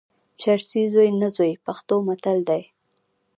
چرسي زوی نه زوی، پښتو متل دئ.